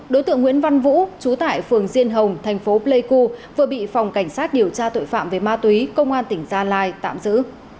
đối tượng nguyễn văn vũ trú tại phường diên hồng thành phố pleiku vừa bị phòng cảnh sát điều tra tội phạm về ma túy công an tỉnh gia lai tạm giữ